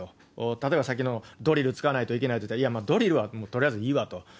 例えばさっきのドリル使わないといけないって言われたら、いや、ドリルはとりあえずいいわと。